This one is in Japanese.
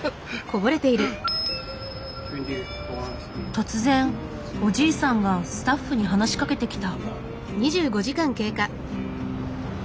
突然おじいさんがスタッフに話しかけてきた。